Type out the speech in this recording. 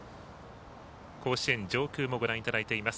甲子園上空をご覧いただいています。